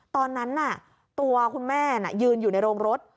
ตอนนั้นตัวคุณแม่ยืนอยู่ในโรงรถ